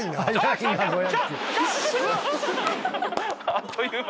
あっという間。